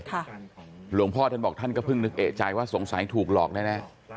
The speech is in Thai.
หลวงพ่อท่านบอกท่านก็เพิ่งนึกเอกใจว่าสงสัยถูกหลอกแน่